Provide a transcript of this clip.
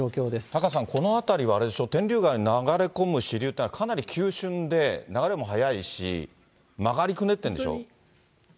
タカさん、この辺りはあれでしょ、天竜川に流れ込む支流っていうのは、かなり急しゅんで流れも速いし、曲がりくねってるんでしょ？